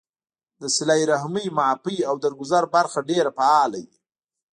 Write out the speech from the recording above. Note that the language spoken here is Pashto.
د صله رحمۍ ، معافۍ او درګذر برخه ډېره فعاله وي